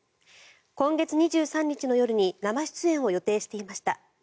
今月２３日の夜に生出演を予定していました。